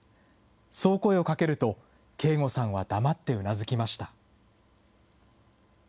そう声をかけると、圭吾さんは黙ってうなずきました。